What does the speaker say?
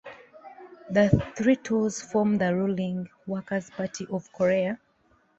The three tools form of the ruling Workers' Party of Korea.